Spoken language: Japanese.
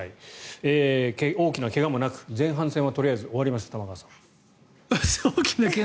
大きな怪我もなく前半戦はとりあえず終わりました玉川さん。